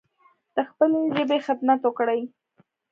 د خپلې ژبې خدمت وکړﺉ